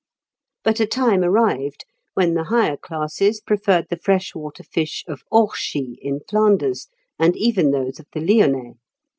But a time arrived when the higher classes preferred the freshwater fish of Orchies in Flanders, and even those of the Lyonnais.